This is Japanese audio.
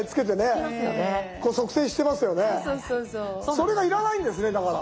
それが要らないんですねだから。